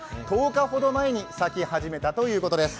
１０日ほど前に咲き始めたということです。